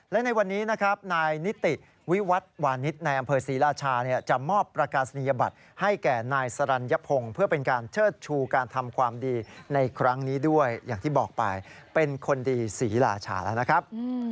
และในวันนี้นะครับนายนิติวิวัฒน์วานิสนายอำเภอศรีราชาจะมอบประกาศนียบัตรให้แก่นายสรรยพงศ์เพื่อเป็นการเชิดชูการทำความดีในครั้งนี้ด้วยอย่างที่บอกไปเป็นคนดีศรีราชาแล้วนะครับ